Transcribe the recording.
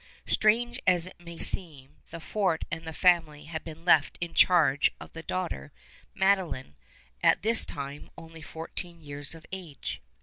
Strange as it may seem, the fort and the family had been left in charge of the daughter, Madeline, at this time only fourteen years of age.